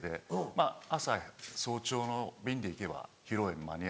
まぁ朝早朝の便で行けば披露宴間に合う。